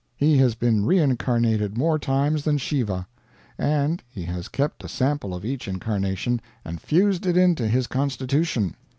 He has been reincarnated more times than Shiva; and he has kept a sample of each incarnation, and fused it into his constitution.